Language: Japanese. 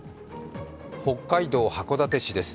北海道函館市です。